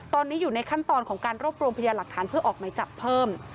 ตอนนี้อยู่ในขั้นตอนของการรวบรวมพยาหลักฐานเพื่อออกหมายจับเพิ่ม